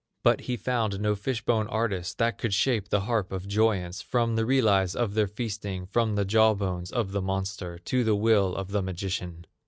But he found no fish bone artist That could shape the harp of joyance From the relics of their feasting, From the jaw bones of the monster, To the will of the magician.